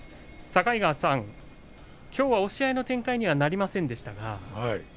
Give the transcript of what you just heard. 境川さん、きょうは押し合いの展開にはなりませんでしたね。